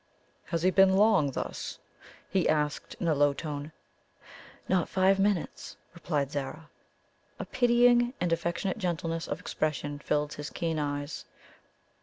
"Has he been long thus?" he asked in a low tone. "Not five minutes," replied Zara. A pitying and affectionate gentleness of expression filled his keen eyes.